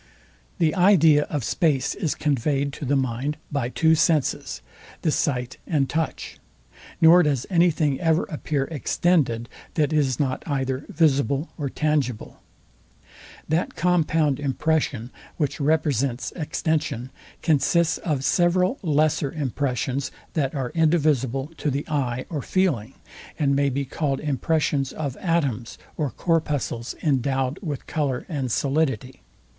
The idea of space is conveyed to the mind by two senses, the sight and touch; nor does anything ever appear extended, that is not either visible or tangible. That compound impression, which represents extension, consists of several lesser impressions, that are indivisible to the eye or feeling, and may be called impressions of atoms or corpuscles endowed with colour and solidity.